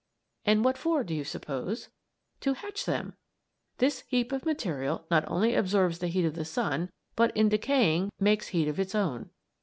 And what for, do you suppose? To hatch them! This heap of material not only absorbs the heat of the sun, but, in decaying, makes heat of its own.